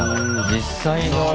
実際の。